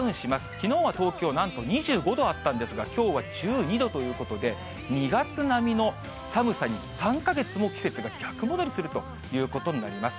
きのうは東京、なんと２５度あったんですが、きょうは１２度ということで、２月並みの寒さに３か月も季節が逆戻りするということになります。